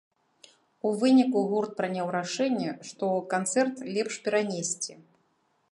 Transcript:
У выніку, гурт прыняў рашэнне, што канцэрт лепш перанесці.